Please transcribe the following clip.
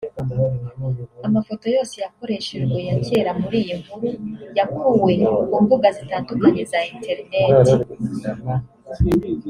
Amafoto yose yakoreshejwe ya kera muri iyi nkuru yakuwe ku mbuga zitandukanye za Internet